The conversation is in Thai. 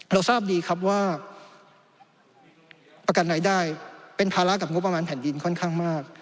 เราทราบดีครับว่าประกันรายได้เป็นภาระกับงบประมาณแผ่นดินค่อนข้างมาก